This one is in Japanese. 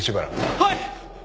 はい！